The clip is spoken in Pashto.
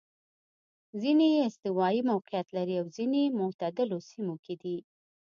ځیني یې استوايي موقعیت لري او ځیني معتدلو سیمو کې دي.